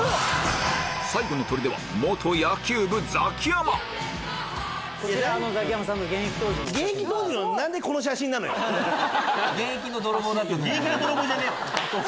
最後のとりでは野球部ザキヤマ現役の泥棒じゃねえわ！